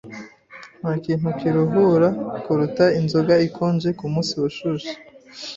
Ntakintu kiruhura kuruta inzoga ikonje kumunsi ushushe.